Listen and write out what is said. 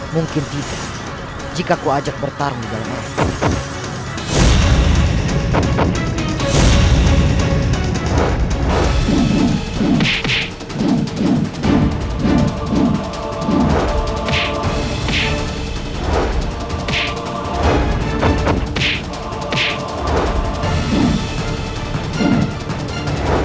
mungkin tidak jika ku ajak bertarung dalamnya